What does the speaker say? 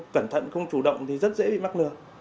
cẩn thận không chủ động thì rất dễ bị mắc lừa